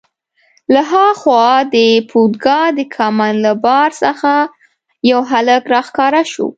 له ها خوا د پودګا د کمند له بار څخه یو هلک راښکاره شو.